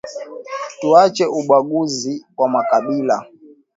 Tuache ubaguzi wa makabila